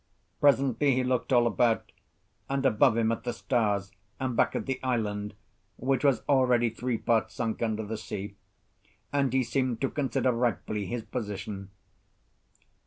Presently he looked all about, and above him at the stars, and back at the island, which was already three parts sunk under the sea, and he seemed to consider ripely his position.